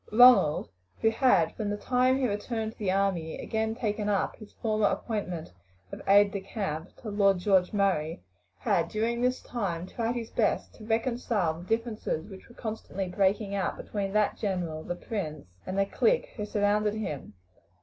Ronald, who had, from the time he returned to the army, again taken up his former appointment of aide de camp to Lord George Murray, had during this time tried his best to reconcile the differences which were constantly breaking out between that general, the prince, and the clique who surrounded him.